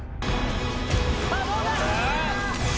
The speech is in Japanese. さあ、どうだ？